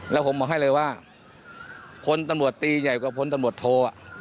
แล้วผมบอกให้เลยว่าพลตำรวจตีใหญ่กว่าพลตำรวจโท